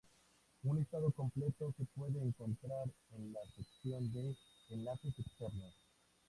Un listado completo se puede encontrar en la sección de enlaces externos.